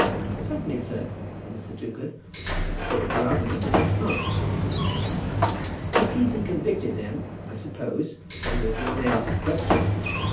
"Certainly, sir," said Mr. Toogood. "For the sake of the argument, it may pass." "If he be convicted, then, I suppose, there will be an end of the question.